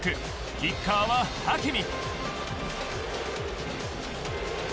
キッカーはハキミ。